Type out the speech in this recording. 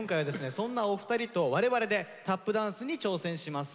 そんなお二人と我々でタップダンスに挑戦します。